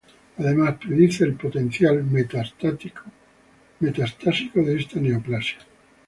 Además, predice el potencial metastásico de esta neoplasia.